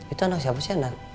itu anak siapa sih anak